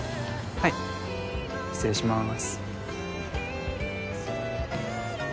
はい失礼します